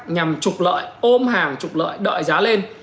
nhằm trục lợi ôm hàng trục lợi đợi giá lên